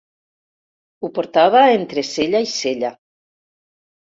Ho portava entre cella i cella.